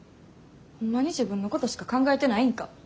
ホンマに自分のことしか考えてないんか。